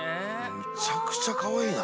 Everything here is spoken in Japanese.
むちゃくちゃかわいいな。